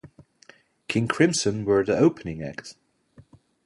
King Crimson were the opening act.